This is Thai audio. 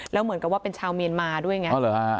แล้วเหมือนกับว่าเป็นชาวเมียนมาด้วยไง